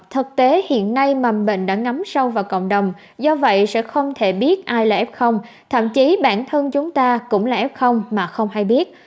thực tế hiện nay mầm bệnh đã ngắm sâu vào cộng đồng do vậy sẽ không thể biết ai là f thậm chí bản thân chúng ta cũng là f mà không hay biết